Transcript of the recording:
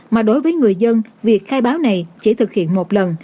mà đối với người dân việc khai báo này chỉ thực hiện một lần